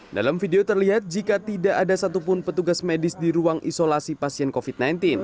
dalam video terlihat jika tidak ada satupun petugas medis di ruang isolasi pasien covid sembilan belas